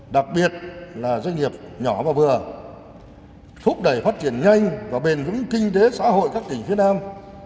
đặc biệt là doanh nghiệp nhỏ và vừa thúc đẩy phát triển nhanh và bền vững kinh tế xã hội các tỉnh phía nam